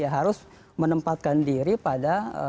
harus menempatkan diri pada